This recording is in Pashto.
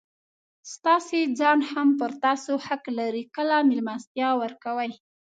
ستاسي ځان هم پر تاسو حق لري؛ کله مېلمستیا ورکوئ!